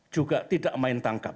juga tidak main tangkap